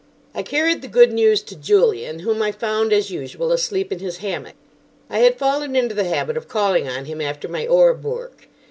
I carried the good news to Julian, whom I found, as usual, asleep in his hammock. I had fallen into the habit of calling on him after my Orb work.